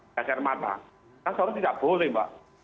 gajah mata kan seharusnya tidak boleh mbak